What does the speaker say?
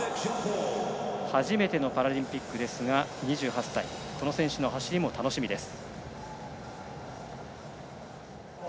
初めてのパラリンピック、２８歳この選手の走りも楽しみです。